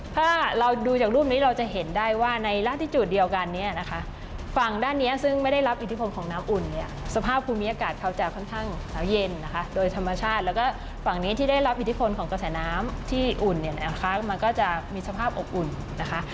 ถ้าเราดูจากรูปนี้เราจะเห็นได้ว่าในร่างที่จุดเดียวกันเนี่ยนะคะฝั่งด้านนี้ซึ่งไม่ได้รับอิทธิพลของน้ำอุ่นเนี่ยสภาพภูมิอากาศเขาจะค่อนข้างหนาวเย็นนะคะโดยธรรมชาติแล้วก็ฝั่งนี้ที่ได้รับอิทธิพลของกระแสน้ำที่อุ่นเนี่ยนะคะมันก็จะมีสภาพอบอุ่นนะคะ